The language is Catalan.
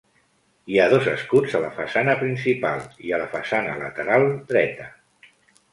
Hi ha dos escuts a la façana principal i a la façana lateral dreta.